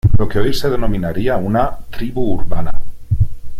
Lo que hoy se denominaría una "tribu urbana".